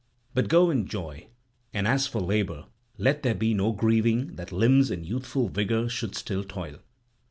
But go in joy, and as for labour let there be no grieving that limbs in youthful vigour should still toil."